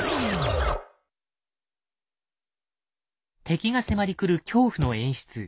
敵が迫りくる恐怖の演出。